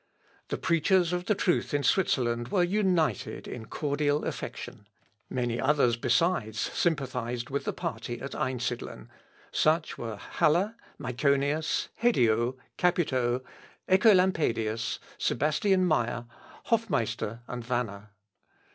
The preachers of the truth in Switzerland were united in cordial affection. Many others besides sympathised with the party at Einsidlen: such were Haller, Myconius, Hedio, Capito, Œcolampadius, Sebastian Meyer, Hoffmeister, and Wanner.